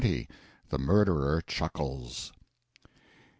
The Murderer Chuckles.